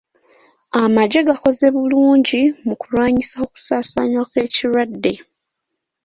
Amagye gakoze bulungi mu kulwanyisa okusaasaana kw'ekirwadde.